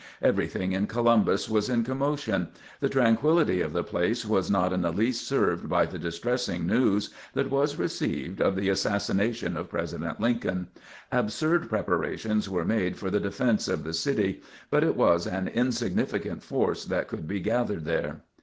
Everything in Columbus was in commotion. The tranquility of the place was not in the least served by the distressing news that was received of the assassination of President Lincoln. Absurd preparations were made for the defence of the city, but it was an insignificant force that could be gathered there.